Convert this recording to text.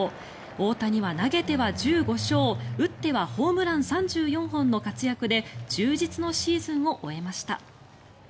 大谷は投げては１５勝打ってはホームラン３４本の活躍で充実のシーズンを終えました。